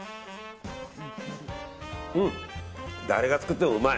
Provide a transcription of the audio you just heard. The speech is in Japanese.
うん、誰が作ってもうまい。